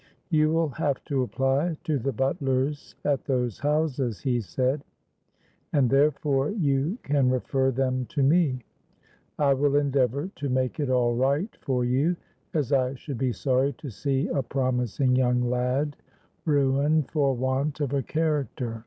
'You will have to apply to the butlers at those houses,' he said, 'and therefore you can refer them to me. I will endeavour to make it all right for you, as I should be sorry to see a promising young lad ruined for want of a character.'